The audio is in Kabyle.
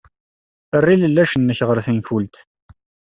Err ilellac-nnek ɣer tenkult.